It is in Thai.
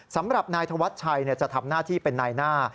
สำหรับนายธวัชชัยจะทำหน้าที่เป็นนายหน้า